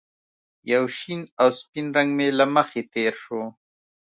یو شین او سپین رنګ مې له مخې تېر شو